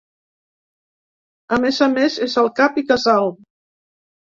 A més a més, és el cap i casal.